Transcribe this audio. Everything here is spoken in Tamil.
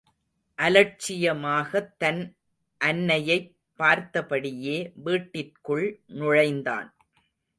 அலட்சியமாகத் தன் அன்னையைப் பார்த்தபடியே வீட்டிற்குள் நுழைந்தான்.